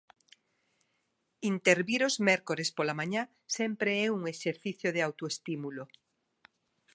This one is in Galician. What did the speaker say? Intervir os mércores pola mañá sempre é un exercicio de autoestímulo.